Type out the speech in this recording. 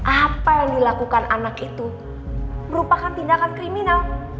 apa yang dilakukan anak itu merupakan tindakan kriminal